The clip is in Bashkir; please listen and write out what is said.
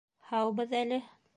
Һаубыҙ әле